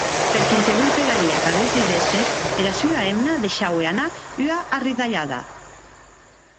Per quinsevolh pegaria qu’aguest didesse, era sua hemna deishaue anar ua arridalhada.